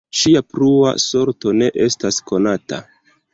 Ŝia plua sorto ne estas konata.